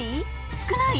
少ない？